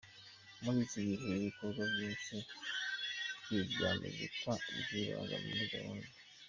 Muri iki gihe ibikorwa byinshi bye bya muzika byibanda muri Uganda.